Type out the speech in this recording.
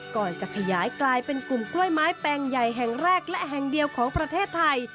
ก่อนจะขยายกลายเป็นกลุ่มกล้วยไม้แปลงใหญ่แห่งแรกและแห่งเดียวของประเทศไทย